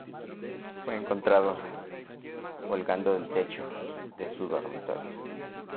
Fue encontrado colgando del techo de su dormitorio.